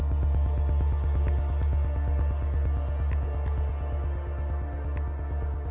terdapat juga kondisi paru paru bocor karena trauma anemia dan penyakit jantung